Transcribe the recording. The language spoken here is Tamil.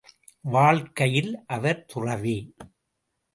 வாழ்க்கையில் அவர் துறவி.